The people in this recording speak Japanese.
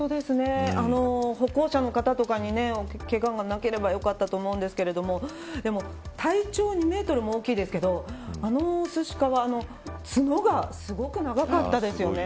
歩行者の方にけががなければよかったと思うんですけれども体調２メートルも大きいですけどあの雄ジカは角がすごく長かったですよね。